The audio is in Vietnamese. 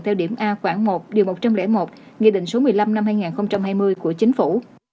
theo điểm a khoảng một điều một trăm linh một nghị định số một mươi năm năm hai nghìn hai mươi của chính phủ